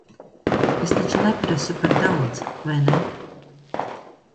Es taču neprasu par daudz, vai ne?